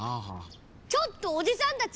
・ちょっとおじさんたち